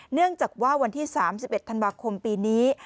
เนื่องจากว่าวันที่๓๑ธันวาคมปีนี้